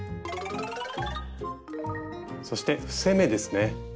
そして伏せ目ですね。